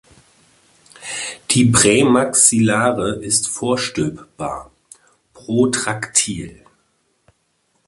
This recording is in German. Die Prämaxillare ist vorstülpbar (protraktil).